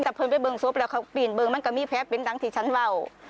แต่เพื่อนไปเบื้องสวบแล้วเขาปีนเบื้องมันก็มีแผลเป็นทั้งที่ฉันว่า